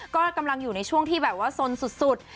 ก็กำลังอยู่ในช่วงที่แบบว่าสนสุด